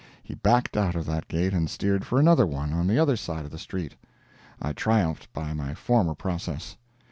He backed out of that gate and steered for another one on the other side of the street. I triumphed by my former process.